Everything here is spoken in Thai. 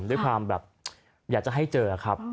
ด้วยความแบบอยากจะให้เจอครับ